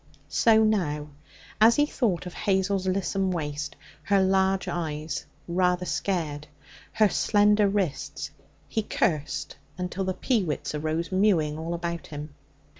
So now, as he thought of Hazel's lissom waist, her large eyes, rather scared, her slender wrists he cursed until the peewits arose mewing all about him.